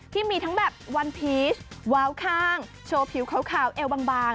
ที่มีทั้งแบบวันพีชว้าวข้างโชว์ผิวขาวเอวบาง